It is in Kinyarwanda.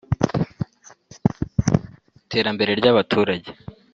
iterambere ry’abaturage